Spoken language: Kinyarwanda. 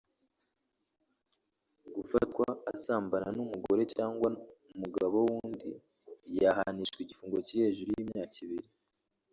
Gufatwa asambana n’umugore cyangwa umugabo w’undi yahanishwaga igifungo kiri hejuru y’imyaka ibiri